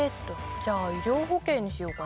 じゃあ医療保険にしようかな。